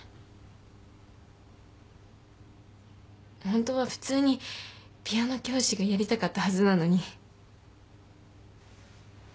ホントは普通にピアノ教師がやりたかったはずなのに。